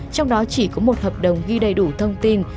trong đó chỉ có một hợp đồng ghi đầy đủ thông tin